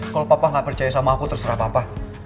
kalo papa gak percaya sama aku terserah papa